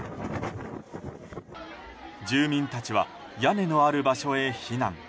住民たちは屋根のある場所へ避難。